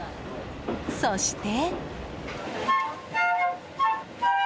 そして。